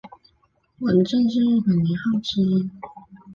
文正是日本年号之一。